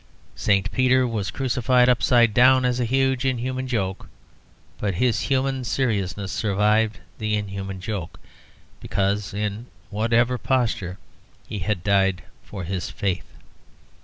St. Peter was crucified upside down as a huge inhuman joke; but his human seriousness survived the inhuman joke, because, in whatever posture, he had died for his faith.